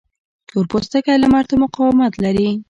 تور پوستکی لمر ته مقاومت لري